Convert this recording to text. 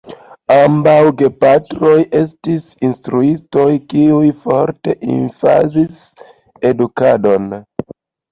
Ambaŭ gepatroj estis instruistoj; kiuj forte emfazis edukadon.